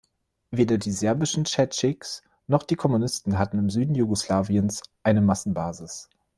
Weder die serbischen Tschetniks noch die Kommunisten hatten im Süden Jugoslawiens eine Massenbasis.